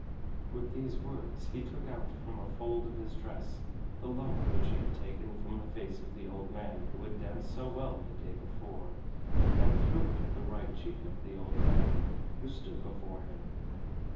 With these words he took out from a fold of his dress the lump which he had taken from the face of the old man who had danced so well the day before, and threw it at the right cheek of the old man who stood before him.